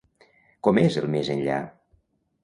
Com és el més-enllà?